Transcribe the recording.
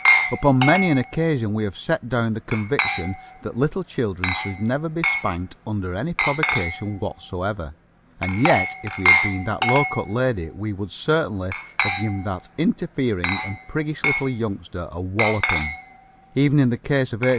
Upon many an occasion we have set down the conviction that little children should never be spanked under any provocation whatsoever. And yet if we had been that low cut lady we would certainly have given that interfering and priggish little youngster a walloping. Even in the case of H.